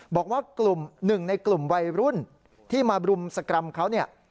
บอกว่าหนึ่งในกลุ่มวัยรุ่นที่มารุ่มสกรรมเขา